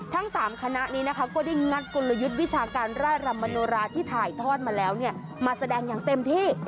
ทั้ง๓คณะนี้นะคะก็ได้งัดกลยุทธ์วิชาการไร่รำมโนราที่ถ่ายทอดมาแล้วมาแสดงอย่างเต็มที่